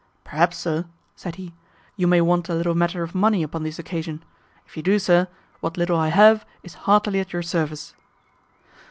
"Perhaps, sir," said he, "you may want a little matter of money upon this occasion; if you do, sir, what little I have is heartily at your service."